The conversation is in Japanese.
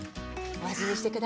お味見して下さい。